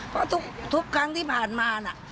เพราะทุกครั้งที่ผ่านมาน่ะ